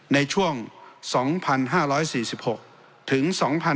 ในช่วง๒๕๔๖ถึง๒๕๖๒